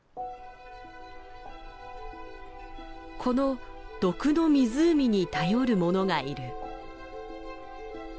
この「毒の湖」に頼るものがいる。